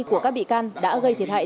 của các bị can đã gây thiệt hại